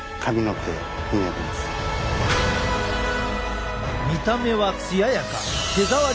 見た目は艶やか手触りも滑らか。